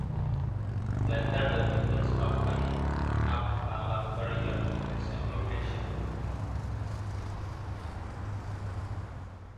Later the Mittens opened up a lumber yard in the same location.